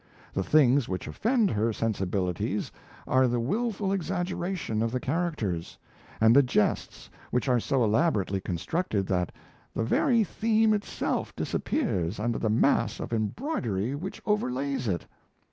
The things which offend her sensibilities are the wilful exaggeration of the characters, and the jests which are so elaborately constructed that "the very theme itself disappears under the mass of embroidery which overlays it."